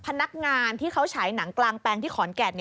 พนักงานที่เขาฉายหนังกลางแปลงที่ขอนแก่น